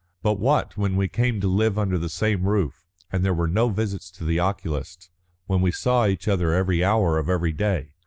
But what when we came to live under the same roof, and there were no visits to the oculist, when we saw each other every hour of every day?